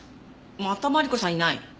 またマリコさんいないの？